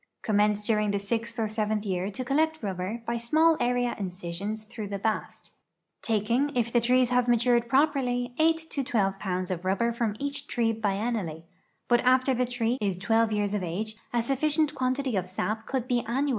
Commence during the sixth or seventh year to collect rubber by small area incisions through the bast, taking, if the trees have matured proper! \% 8 to 12 pounds of rubber from each tree bienniall}', but after tjie tree is 12 years of age a sufficient quantity of sap could be annual!